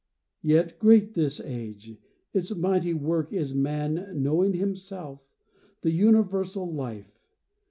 Yet great this age: its mighty work is man Knowing himself, the universal life.